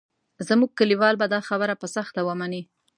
زموږ کلیوال به دا خبره په سخته ومني.